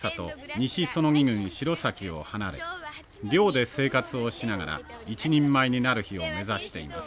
西彼杵郡白崎を離れ寮で生活をしながら一人前になる日を目指しています。